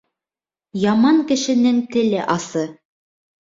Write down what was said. Яман кешенең теле асы.